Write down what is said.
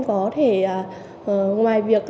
có thể ngoài việc